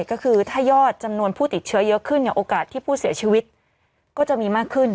ก็คือถ้ายอดจำนวนผู้ติดเชื้อเยอะขึ้นเนี่ยโอกาสที่ผู้เสียชีวิตก็จะมีมากขึ้น